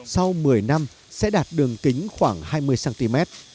sau một mươi năm sẽ đạt đường kính khoảng hai mươi cm